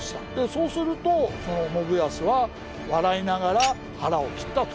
そうすると信康は笑いながら腹を切ったと。